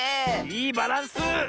いいバランス！